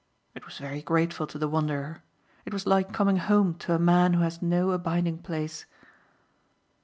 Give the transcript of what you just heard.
It was very grateful to the wanderer. It was like coming home to a man who has no abiding place.